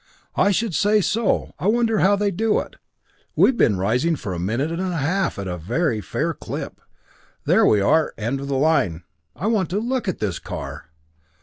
"I should say so I wonder how they do it. We've been rising for a minute and a half at a very fair clip there we are; end of the line I want to look at this car!"